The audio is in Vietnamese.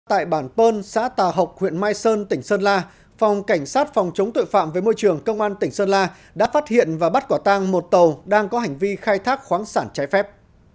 tại bản pơn xã tà học huyện mai sơn tỉnh sơn la phòng cảnh sát phòng chống tội phạm với môi trường công an tỉnh sơn la đã phát hiện và bắt quả tang một tàu đang có hành vi khai thác khoáng sản trái phép